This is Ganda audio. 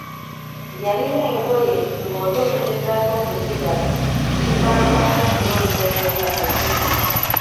Yalina engoye ng'oli okugezaako okuzibala kifaananako okulonda obwoya ku mbuuzi.